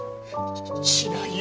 しないよ！